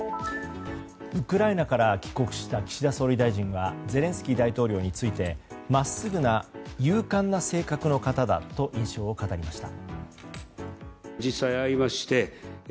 ウクライナから帰国した岸田総理大臣はゼレンスキー大統領について真っすぐな、勇敢な性格の方だと印象を語りました。